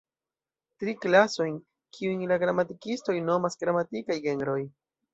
Tri klasojn, kiujn la gramatikistoj nomas gramatikaj genroj.